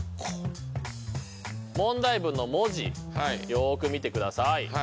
問題文の文字よく見てください。